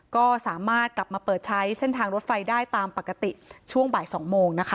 ก็สามารถกลับมาเปิดใช้เส้นทางรถไฟได้ตามปกติช่วงบ่าย๒โมงนะคะ